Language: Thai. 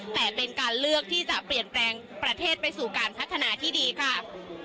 แต่เป็นการเลือกที่จะเปลี่ยนแปลงประเทศไปสู่การพัฒนาที่ดีค่ะ